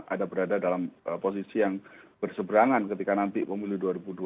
ada berada dalam posisi yang bersebrangan ketika nanti pemilih dua ribu dua puluh empat